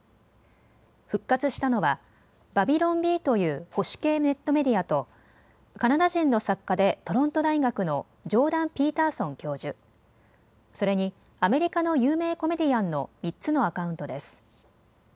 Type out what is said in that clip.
復活したのはバビロン・ビーという保守系ネットメディアとカナダ人の作家でトロント大学のジョーダン・ピーターソン教授、それにアメリカの有名コメディアンの３つのアカウントです。